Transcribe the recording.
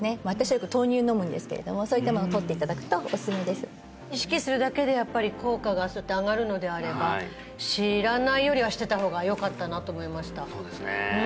私はよく豆乳飲むんですけれどもそういったものをとっていただくとおすすめです意識するだけでやっぱり効果がそうやって上がるのであれば知らないよりは知ってた方がよかったなと思いましたそうですねえ